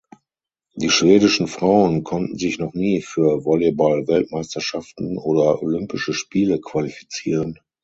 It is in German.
Die schwedischen Frauen konnten sich noch nie für Volleyball-Weltmeisterschaften oder Olympische Spiele qualifizieren.